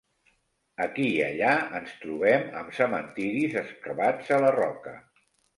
Aquí i allà ens trobem amb cementiris excavats a la roca.